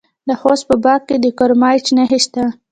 د خوست په باک کې د کرومایټ نښې شته.